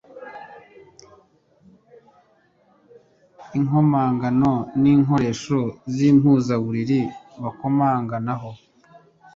Inkomangano ni inkoresho z'impuzamuriri bakomangaho,